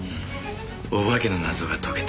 おばけの謎がとけた。